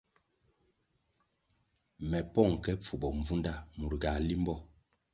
Me pong ke pfubo mbvunda mur ga limbo.